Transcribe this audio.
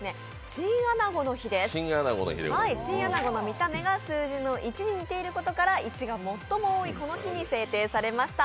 チンアナゴの見た目が数字の１に似ていることから１が最も多いこの日に制定されました。